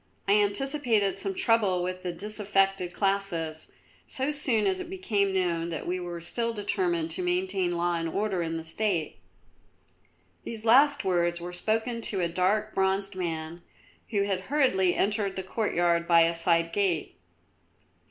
I anticipated some trouble with the disaffected classes, so soon as it became known that we were still determined to maintain law and order in the State." These last words were spoken to a dark, bronzed man who had hurriedly entered the courtyard by a side gate.